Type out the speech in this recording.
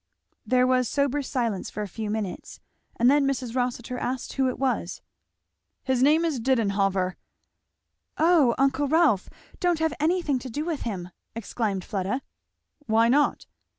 There was sober silence for a few minutes, and then Mrs. Rossitur asked who it was. "His name is Didenhover." "O uncle Rolf, don't have anything to do with him!" exclaimed Fleda. "Why not?"